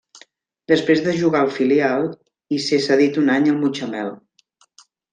Després de jugar al filial i ser cedit un any al Mutxamel.